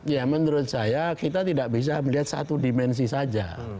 ya menurut saya kita tidak bisa melihat satu dimensi saja